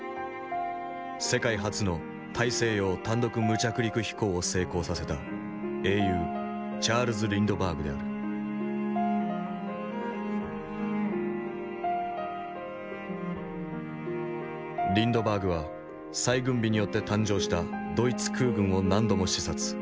世界初の大西洋単独無着陸飛行を成功させたリンドバーグは再軍備によって誕生したドイツ空軍を何度も視察。